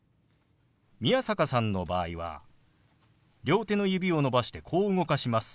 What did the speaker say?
宮坂さんの場合は両手の指を伸ばしてこう動かします。